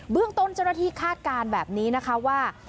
เรื่องต้นเจ้าหน้าที่คาดการณ์แบบนี้นะคะว่า